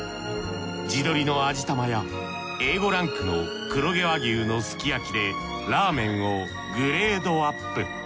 地鶏の味玉やＡ５ランクの黒毛和牛のＳＵＫＩＹＡＫＩでラーメンをグレードアップ。